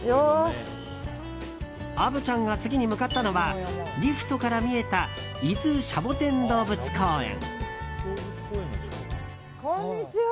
虻ちゃんが次に向かったのはリフトから見えた伊豆シャボテン動物公園。